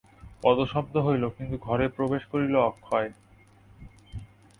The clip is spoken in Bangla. পদশব্দ হইল, কিন্তু ঘরে প্রবেশ করিল অক্ষয়।